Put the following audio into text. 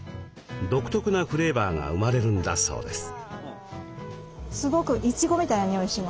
独特なフレーバーが生まれるんだそうです。